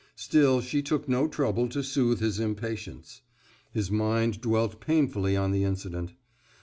Still she took no trouble to soothe his impatience. His mind dwelt painfully on the incident.